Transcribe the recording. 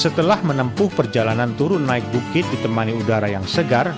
setelah menempuh perjalanan turun naik bukit ditemani udara yang segar